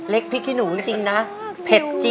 เล็กพริกที่หนูจริงนะเผ็ดจริง